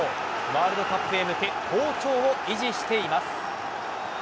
ワールドカップへ向け好調を維持しています。